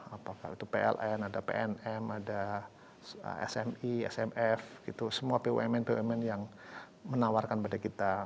apakah itu pln ada pnm ada smi smf gitu semua bumn bumn yang menawarkan pada kita